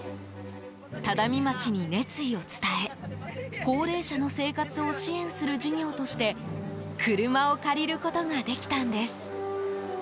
只見町に熱意を伝え高齢者の生活を支援する事業として車を借りることができたんです。